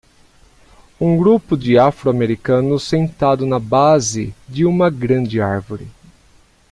Um grupo de afro-americanos sentado na base de uma grande árvore.